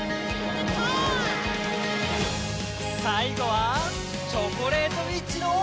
さいごは「チョコレートウィッチの」。